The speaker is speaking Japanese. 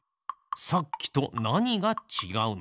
さっきとなにがちがうのか。